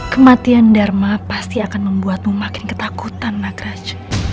kematian dharma pasti akan membuatmu makin ketakutan nagraju